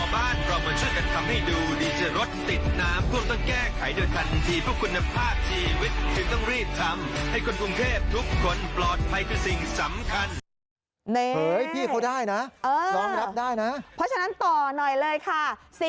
บ้านพร้อมมาช่วยกันทำให้ดูดีจะรถติดน้ำพวกต้องแก้ไขด้วยทันที